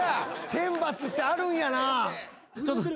天罰ってあるんやなぁ。